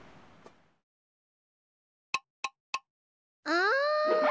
あ！